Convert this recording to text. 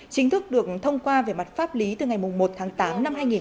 chính thức được thông qua về mặt pháp lý từ ngày một tháng tám năm hai nghìn hai mươi